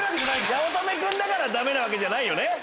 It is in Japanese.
八乙女君だからダメなわけじゃないよね？